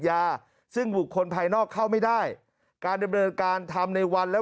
ซึ่งบุคคลภายนอกเข้าไม่ได้การดำเนินการทำในวันแล้ว